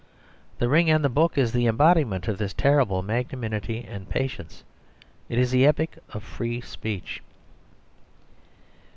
The Ring and the Book is the embodiment of this terrible magnanimity and patience. It is the epic of free speech.